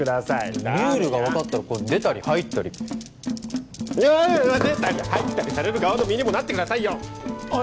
何でルールが分かったらこう出たり入ったりいや出たり入ったりされる側の身にもなってくださいよおい